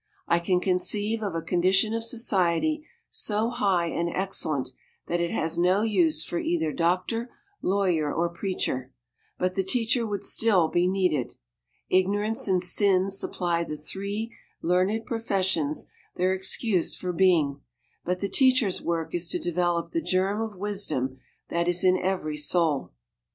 I can conceive of a condition of society so high and excellent that it has no use for either doctor, lawyer or preacher, but the teacher would still be needed. Ignorance and sin supply the three "learned professions" their excuse for being, but the teacher's work is to develop the germ of wisdom that is in every soul.